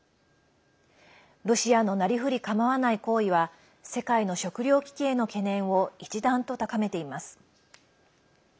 ロシアのなりふりかまわない行為は世界の食糧危機への懸念を一段と高めています。